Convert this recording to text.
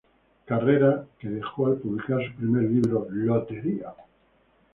Carrera que dejó al publicar su primer libro, ""¡Lotería!